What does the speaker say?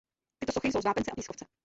Tyto sochy jsou z vápence a pískovce.